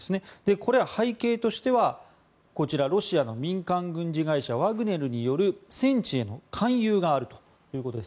これは背景としてはこちらロシアの民間軍事会社ワグネルによる戦地への勧誘があるということです。